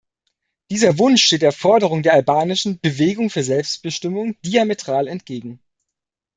Dieser Wunsch steht der Forderung der albanischen "Bewegung für Selbstbestimmung" diametral entgegen.